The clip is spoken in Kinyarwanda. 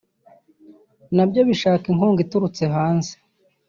na byo bishaka inkunga iturutse hanze